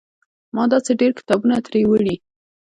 ما داسې ډېر کتابونه ترې وړي.